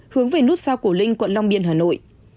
hướng về nút sao cổ linh quận long biên hà nội